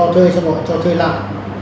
vâng thế tại sao lại mình phải cho thuê vậy